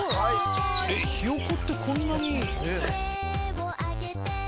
ひよこってこんなに。